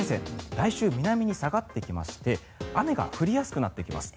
来週、南に下がってきまして雨が降りやすくなってきます。